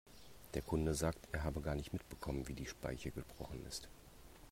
Der Kunde sagt, er habe gar nicht mitbekommen, wie die Speiche gebrochen ist.